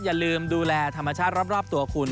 อย่าลืมดูแลธรรมชาติรอบตัวคุณ